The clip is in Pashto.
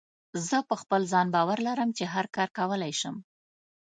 زه په خپل ځان باور لرم چې هر کار کولی شم.